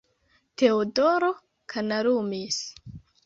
Teodoro kanalumis.